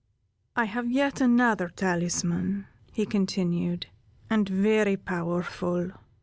"I have yet another talisman" he continued, "and very powerful.